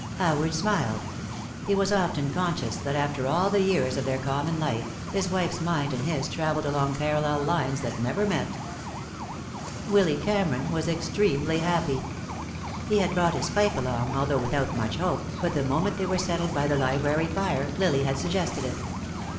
Howard smiled. He was often conscious that after all the years of their common life, his wife's mind and his traveled along parallel lines that never met. Willy Cameron was extremely happy. He had brought his pipe along, although without much hope, but the moment they were settled by the library fire Lily had suggested it.